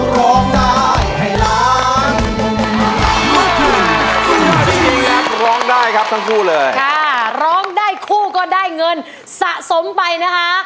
ร้องได้ให้ล้านได้ครับทั้งคู่เลยค่ะร้องได้คู่ก็ได้เงินสะสมไปนะคะ